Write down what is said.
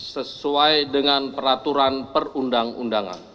sesuai dengan peraturan perundang undangan